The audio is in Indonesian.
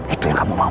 itu yang kamu mau